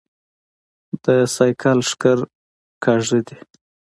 د سايکل ښکر کاژه دي